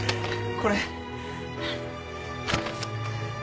これ。